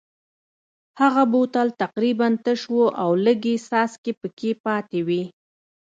هغه بوتل تقریبا تش و او لږې څاڅکې پکې پاتې وې.